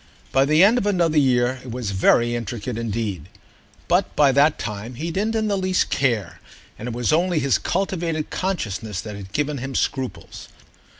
By the end of another year it was very intricate indeed; but by that time he didn't in the least care, and it was only his cultivated consciousness that had given him scruples.